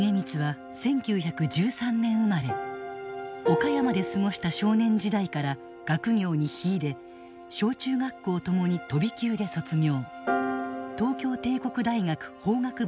岡山で過ごした少年時代から学業に秀で小中学校ともに飛び級で卒業。